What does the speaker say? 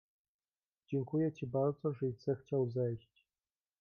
"Dziękuję ci bardzo, żeś zechciał zejść."